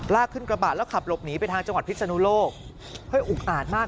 ลากขึ้นกระบะแล้วขับหลบหนีไปทางจังหวัดพิศนุโลกเฮ้ยอุกอาดมาก